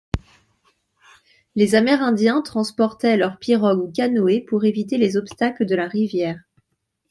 Les Amérindiens transportaient leurs pirogues ou canoës pour éviter les obstacles de la rivière.